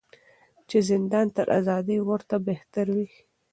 چي زندان تر آزادۍ ورته بهتر وي